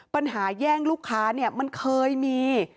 ปัญหาแย่งลูกค้าเนี่ยมันเคยมี